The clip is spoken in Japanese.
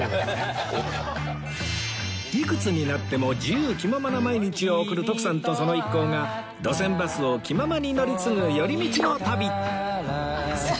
いくつになっても忙しい毎日を送る徳さんとその一行が路線バスを気ままに乗り継ぐ寄り道の旅